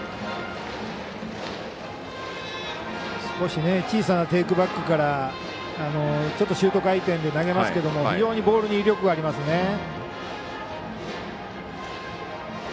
少し小さなテイクバックからちょっとシュート回転で投げますけども非常にボールに威力がありますね。